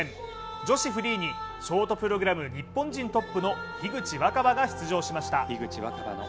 女子フリーにショートプログラム日本人トップの樋口新葉が出場しました。